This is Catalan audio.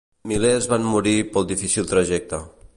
Milers van morir pel difícil trajecte.